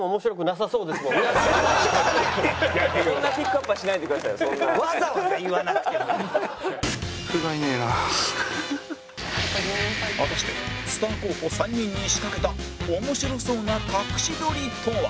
果たしてスター候補３人に仕掛けた面白そうな隠し撮りとは？